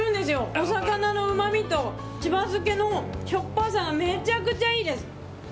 お魚のうまみと柴漬けのしょっぱさがめちゃくちゃいいです！